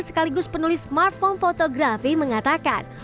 sekaligus penulis smartphone fotografi mengatakan